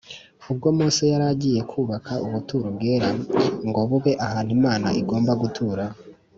Ubwo Mose yari agiye kubaka ubuturo bwera ngo bube ahantu Imana igomba gutura